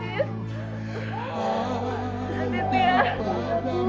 kita dapat bu